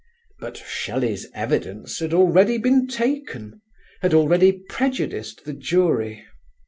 But Shelley's evidence had already been taken, had already prejudiced the jury.